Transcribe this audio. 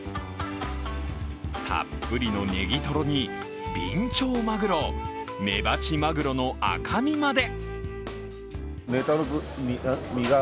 たっぷりのネギトロにビンチョウマグロメバチマグロの赤みまで。